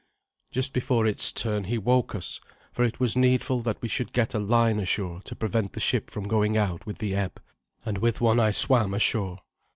Just before its turn he woke us, for it was needful that we should get a line ashore to prevent the ship from going out with the ebb, and with one I swam ashore.